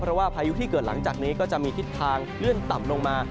เพราะว่าพายุที่เกิดหลังจากนี้ก็จะมีทิศทางเลื่อนต่ำลงมา